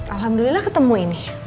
alhamdulillah ketemu ini